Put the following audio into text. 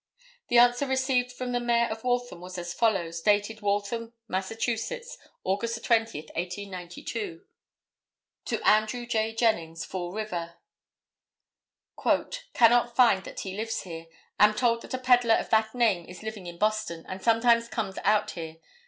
The answer received from the Mayor of Waltham was as follows, dated Waltham, Mass., Aug., 20, 1892: To Andrew J. Jennings, Fall River. "Cannot find that he lives here. Am told that a peddler of that name is living in Boston, and sometimes comes out here.